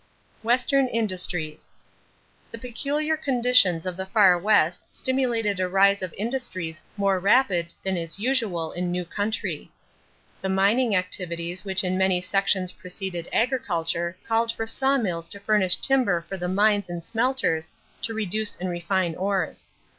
=Western Industries.= The peculiar conditions of the Far West stimulated a rise of industries more rapid than is usual in new country. The mining activities which in many sections preceded agriculture called for sawmills to furnish timber for the mines and smelters to reduce and refine ores.